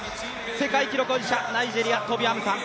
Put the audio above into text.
世界記録保持者ナイジェリア、トビ・アムサン。